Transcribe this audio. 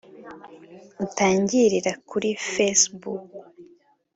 utangirira kuri Facebook